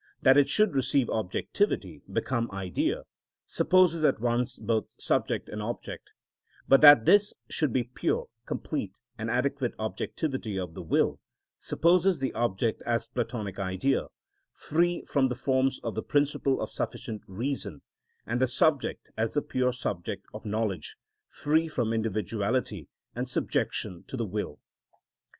That it should receive objectivity, become idea, supposes at once both subject and object; but that this should be pure, complete, and adequate objectivity of the will, supposes the object as Platonic Idea, free from the forms of the principle of sufficient reason, and the subject as the pure subject of knowledge, free from individuality and subjection to the will.